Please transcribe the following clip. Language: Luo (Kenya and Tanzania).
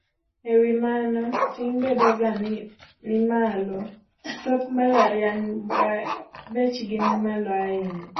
E wi mano, ting' bedo ga ni nimalo. Thoth mbalariany bechgi nimalo ahinya.